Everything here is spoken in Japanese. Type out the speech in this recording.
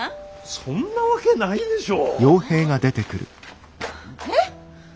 そんなわけないでしょう。はあ？え？